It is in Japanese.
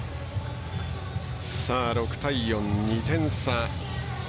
６対４、２点差。